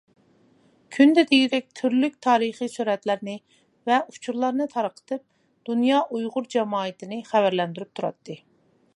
كۈندە دېگۈدەك تۈرلۈك تارىخىي سۈرەتلەرنى ۋە ئۇچۇرلارنى تارقىتىپ دۇنيا ئۇيغۇر جامائىتىنى خەۋەرلەندۈرۈپ تۇراتتى.